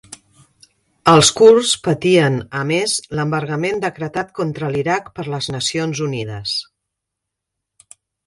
Els kurds patien a més l'embargament decretat contra l'Iraq per les Nacions Unides.